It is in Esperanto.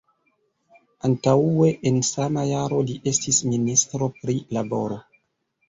Antaŭe en sama jaro li estis ministro pri laboro.